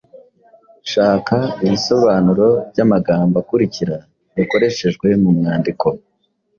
Shaka ibisobanuro by’amagambo akurikira yakoreshejwe mu mwandiko